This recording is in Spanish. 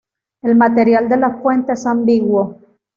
El material de la fuente es ambiguo.